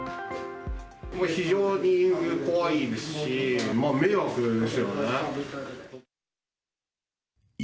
非常に怖いですし、迷惑ですよね。